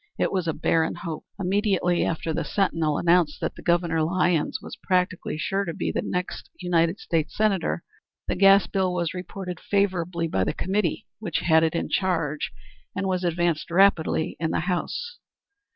It was a barren hope. Immediately after the Sentinel announced that Governor Lyons was practically sure to be the next United States Senator, the gas bill was reported favorably by the committee which had it in charge, and was advanced rapidly in the House.